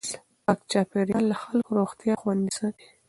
پاک چاپېریال د خلکو روغتیا خوندي ساتي.